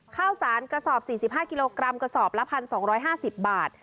ข้าวสารกระสอบ๔๕กิโลกรัมกระสอบละ๑๒๕๐บาท